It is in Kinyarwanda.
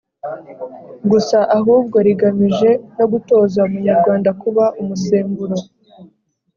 gusa ahubwo rigamije no gutoza umunyarwanda kuba umusemburo